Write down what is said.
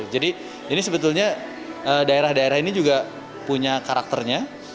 jadi ini sebetulnya daerah daerah ini juga punya karakternya